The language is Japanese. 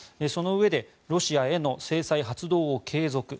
そのうえでロシアへの制裁発動を継続